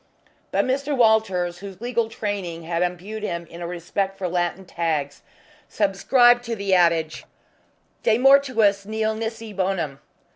But Mr. Walters, whose legal training had imbued in him a respect for Latin tags, subscribed to the adage, de mortuis nil nisi bonum.